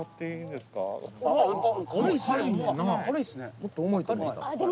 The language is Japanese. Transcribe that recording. もっと重いと思った。